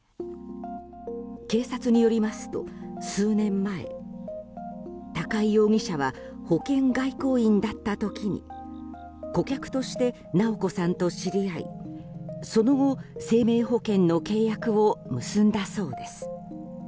警察によりますと数年前高井容疑者は保険外交員だった時に顧客として直子さんと知り合いその後、生命保険の契約を結んだそうです。